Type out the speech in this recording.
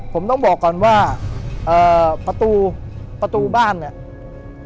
ผมต้องบอกก่อนว่าประตูบ้านเนี่ย